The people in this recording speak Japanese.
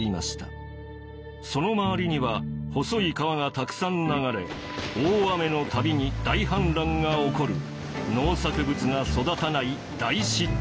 その周りには細い川がたくさん流れ大雨の度に大氾濫が起こる農作物が育たない大湿地帯でした。